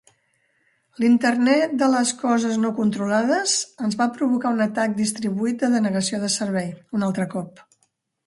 L'internet de les coses no controlades ens va provocar un atac distribuït de denegació de servei un altre cop.